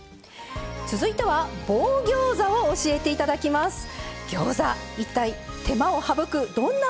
続いては棒ギョーザを教えていただきます。